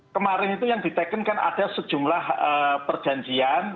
kemarin itu yang diteken kan ada sejumlah perjanjian